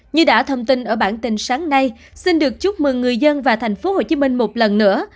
như đã thông tin ở bản tin sáng nay xin được chúc mừng người dân và thành phố hồ chí minh một lần nữa